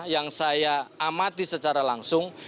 yang saya amati secara langsung